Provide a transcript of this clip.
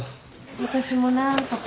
私も何とか。